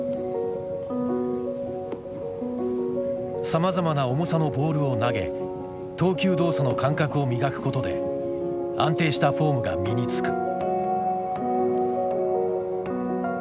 さまざまな重さのボールを投げ投球動作の感覚を磨くことで安定したフォームが身につく。